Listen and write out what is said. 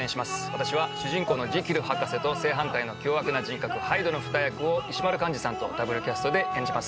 私は主人公のジキル博士と正反対の凶悪な人格ハイドの２役を石丸幹二さんとダブルキャストで演じます